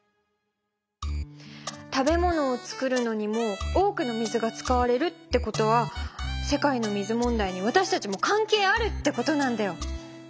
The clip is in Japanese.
食べ物を作るのにも多くの水が使われるってことは世界の水問題にわたしたちも関係あるってことなんだよ。